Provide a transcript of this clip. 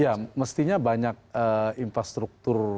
ya mestinya banyak infrastruktur